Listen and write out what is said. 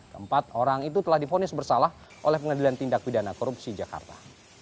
keempat orang itu telah difonis bersalah oleh pengadilan tindak pidana korupsi jakarta